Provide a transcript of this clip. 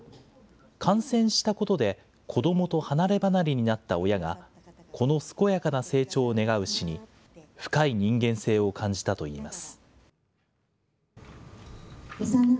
感染したことで、子どもと離れ離れになった親が、子の健やかな成長を願う詩に、深い人間性を感じたといいます。